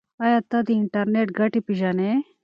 ایا ته د انټرنیټ ګټې پیژنې؟